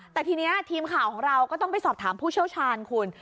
แต่ทีนี้ทีมข่าวของเราก็ต้องไปสอบถามผู้เชี่ยวชาญคุณ